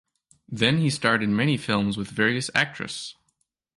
Then he starred in many film with various actress.